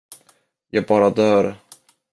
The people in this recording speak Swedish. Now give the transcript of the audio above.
Jag bara dör.